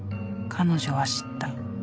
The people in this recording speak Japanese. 彼女は知った。